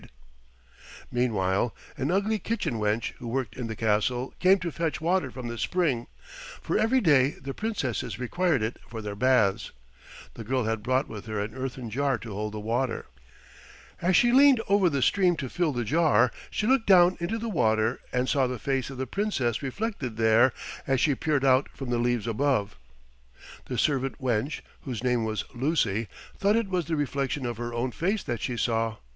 [Illustration: The Princess took the cup and drank.] Meanwhile an ugly kitchen wench who worked in the castle came to fetch water from the spring, for every day the Princesses required it for their baths. The girl had brought with her an earthen jar to hold the water. As she leaned over the stream to fill the jar she looked down into the water and saw the face of the Princess reflected there, as she peered out from the leaves above. The servant wench, whose name was Lucy, thought it was the reflection of her own face that she saw.